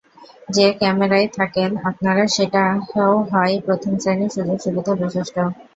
যে কামরায় থাকেন আপনারা সেটাও হয় প্রথম শ্রেনীর সুযোগ সুবিধা বিশিষ্ট!